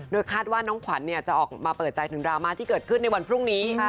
คาดว่าน้องขวัญจะออกมาเปิดใจถึงดราม่าที่เกิดขึ้นในวันพรุ่งนี้